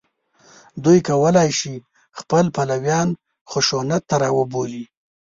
دوی کولای شي خپل پلویان خشونت ته راوبولي